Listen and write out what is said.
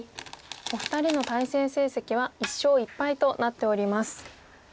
お二人の対戦成績は１勝１敗となっております。